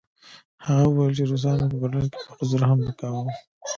هغه وویل چې روسانو په برلین کې په ښځو رحم نه کاوه